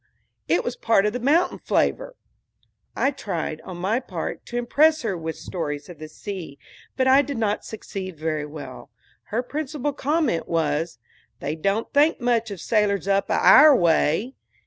It was part of the mountain flavor. I tried, on my part, to impress her with stories of the sea; but I did not succeed very well. Her principal comment was, "They don't think much of sailors up aour way."